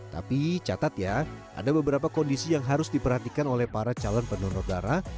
tapi catat ya ada beberapa kondisi yang harus diperhatikan oleh para calon pendonor darah